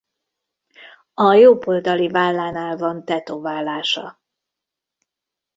A jobb oldali vállánál van tetoválása.